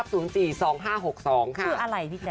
คืออะไรพี่แจ๊